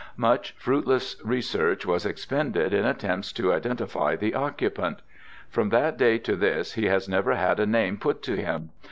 Much fruitless research was expended in attempts to identify the occupant; from that day to this he has never had a name put to him.